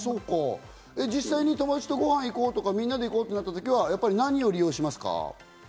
実際に友達とご飯行こうとか、みんなで行こうとなった時は何を利用しますか？